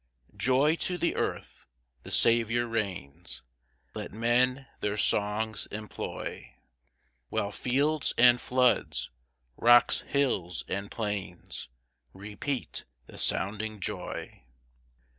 2 Joy to the earth, the Saviour reigns; Let men their songs employ; While fields and floods, rocks, hills and plains, Repeat the sounding joy.